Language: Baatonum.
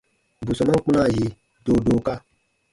Bù sɔmaan kpunaa yi doodooka.